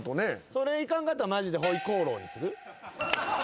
それいかんかったらマジでホイコーローにする？